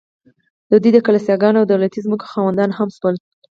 دوی د کلیساګانو او دولتي ځمکو خاوندان هم شول